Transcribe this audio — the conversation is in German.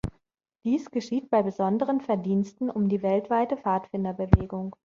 Dies geschieht bei besonderen Verdiensten um die weltweite Pfadfinderbewegung.